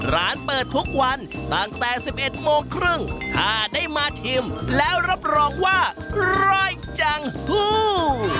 ร้านเปิดทุกวันตั้งแต่๑๑โมงครึ่งถ้าได้มาชิมแล้วรับรองว่าอร่อยจังผู้